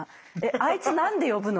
「あいつ何で呼ぶの？」